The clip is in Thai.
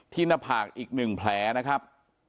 ที่หน้าผากอีกหนึ่งแผลนะครับ